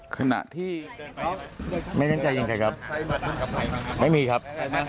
ขณะที่ไม่ได้ยินใจยินใจครับไม่มีครับ